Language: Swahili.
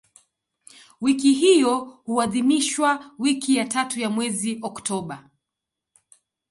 Wiki hiyo huadhimishwa wiki ya tatu ya mwezi Oktoba.